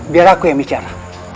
biar aku yang bicara